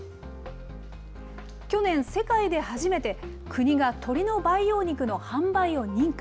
去年、世界で初めて国が鶏の培養肉の販売を認可。